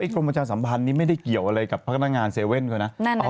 กรมประชาสัมพันธ์นี้ไม่ได้เกี่ยวอะไรกับพนักงาน๗๑๑เขานะ